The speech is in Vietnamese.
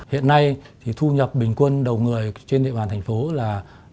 hiện nay thì thu nhập bình quân đầu người trên địa bàn thành phố là